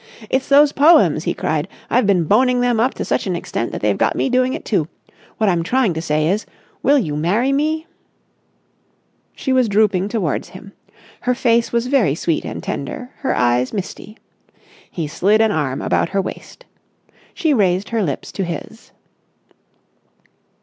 "It's those poems!" he cried. "I've been boning them up to such an extent that they've got me doing it too. What I'm trying to say is, Will you marry me?" She was drooping towards him. Her face was very sweet and tender, her eyes misty. He slid an arm about her waist. She raised her lips to his.